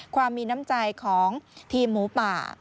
ความมีน้ำใจของทีมหมูป่า